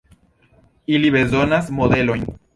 Ili bezonas modelojn.